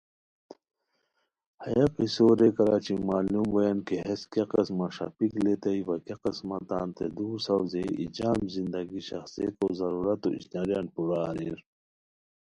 ہیہ قصو ریکار اچی معلوم بویان کی ہیس کیہ قسمہ ݰاپیک لیتائے وا کیہ قسمہ تانتے دُور ساؤزئے ای جم زندگی شاخڅئیکو ضرورتو اشناریان پورہ اریر